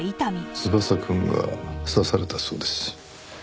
翼くんが刺されたそうです。